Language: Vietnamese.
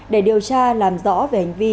để điều tra làm rõ về hành vi